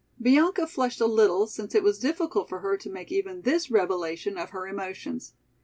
Bianca flushed a little since it was difficult for her to make even this revelation of her emotions.